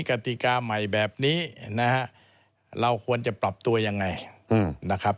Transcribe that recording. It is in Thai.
กติกาใหม่แบบนี้นะฮะเราควรจะปรับตัวยังไงนะครับ